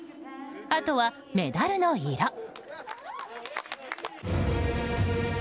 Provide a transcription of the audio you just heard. あとは、メダルの色。